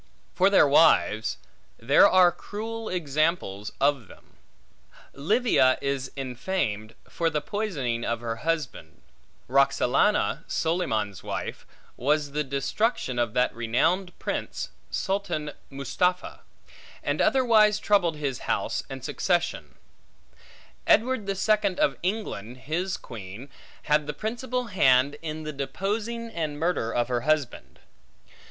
For their wives; there are cruel examples of them. Livia is infamed, for the poisoning of her husband; Roxalana, Solyman's wife, was the destruction of that renowned prince, Sultan Mustapha, and otherwise troubled his house and succession; Edward the Second of England, his queen, had the principal hand in the deposing and murder of her husband.